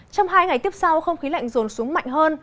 trong hai ngày tiếp sau không khí lạnh rồn xuống mạnh hơn